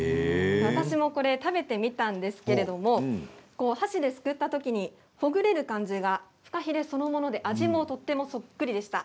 私も食べてみたんですけれども箸ですくった時にほぐれる感じがフカヒレそのもので味もとてもそっくりでした。